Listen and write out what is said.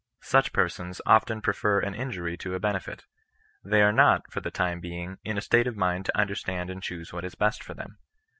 Such persons often prefer an injury to a benefit. They are not, for the time being, in a state of mind to understand and choose what is best for them.